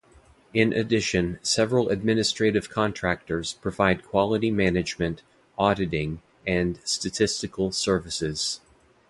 In addition several administrative contractors provide quality management, auditing, and statistical services.